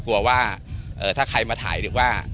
กลัวว่าถ้าใครมาถ่ายหรือว่า